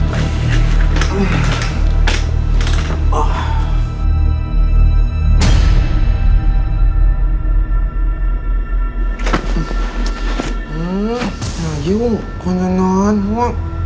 ไปแล้ว